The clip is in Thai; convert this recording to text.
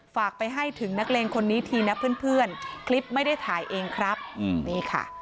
ฝากไปให้ถึงนักเลงคนนี้ทีนะเพื่อนคลิปไม่ได้ถ่ายเองครับนี่ค่ะ